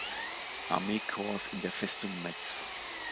Armee-Korps in der Festung Metz.